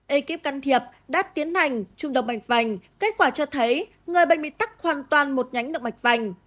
ekip can thiệp đã tiến hành trùng động mạch vành kết quả cho thấy người bệnh bị tắt hoàn toàn một nhánh động mạch vành